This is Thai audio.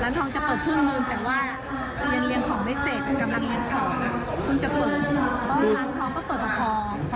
ร้านทองจะเปิดครึ่งหนึ่งแต่ว่าเรียนเรียนของไม่เสร็จ